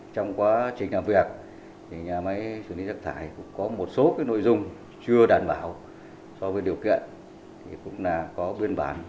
trong quá trình làm việc nhà máy xử lý rác thải có một số nội dung chưa đảm bảo so với điều kiện cũng có biên bản